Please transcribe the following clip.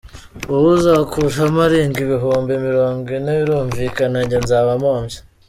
Wowe uzakuramo arenga ibihumbi mirongo ine, birumvikana njye nzaba mpombye.